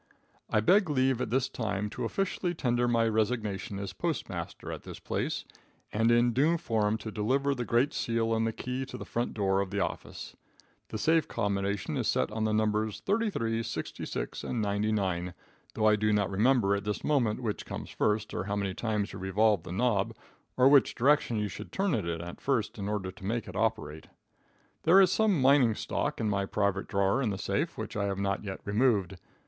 I beg leave at this time to officially tender my resignation as postmaster at this place, and in due form to deliver the great seal and the key to the front door of the office. The safe combination is set on the numbers 33, 66 and 99, though I do not remember at this moment which comes first, or how many times you revolve the knob, or which direction you should turn it at first in order to make it operate. There is some mining stock in my private drawer in the safe, which I have not yet removed.